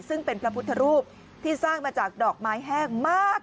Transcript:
ซึ่งเป็นพระพุทธรูปที่สร้างมาจากดอกไม้แห้งมาก